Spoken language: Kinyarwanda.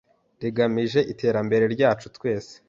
rigamije Iterambere ryacu twese